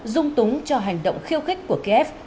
dung túng cho hành động khiêu khích của kiev